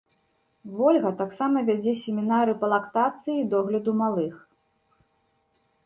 Вольга таксама вядзе семінары па лактацыі і догляду малых.